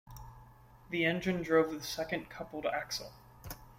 The engine drove the second coupled axle.